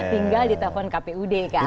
tinggal ditelepon kpud kan